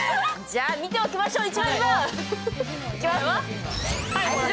じゃあ、見ておきましょう。